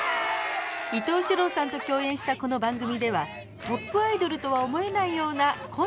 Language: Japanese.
伊東四朗さんと共演したこの番組ではトップアイドルとは思えないようなコントにも挑戦しました。